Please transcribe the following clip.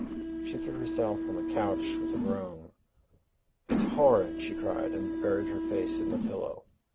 She threw herself on the couch with a groan. "It's horrid!" she cried, and buried her face in the pillow.